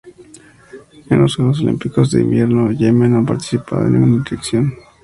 En los Juegos Olímpicos de Invierno Yemen no ha participado en ninguna edición.